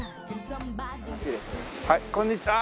はいこんにちああ